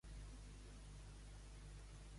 Armar la bronca, no?